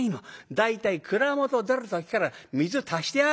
大体蔵元出る時から水足してあるんだ」。